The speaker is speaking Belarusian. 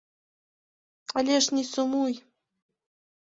Але ж не сумуй.